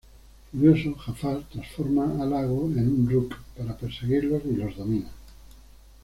Furioso, Jafar transforma a Iago en un ruc para perseguirlos y los domina.